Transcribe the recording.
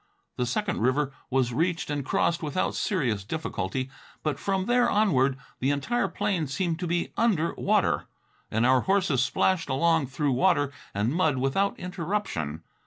The second river was reached and crossed without serious difficulty, but from there onward the entire plain seemed to be under water, and our horses splashed along through water and mud without interruption.